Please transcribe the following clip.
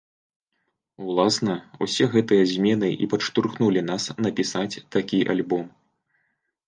Уласна, усе гэтыя змены і падштурхнулі нас напісаць такі альбом.